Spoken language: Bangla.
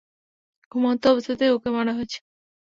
ঘুমন্ত অবস্থাতেই ওকে মারা হয়েছে।